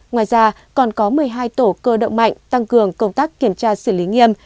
ngoài ra còn có một mươi hai tổ cơ động mạnh tăng cường công tác kiểm tra xử lý nghiêm